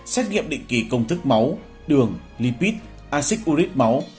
xét nghiệm định kỳ công thức máu đường lipid acid uric máu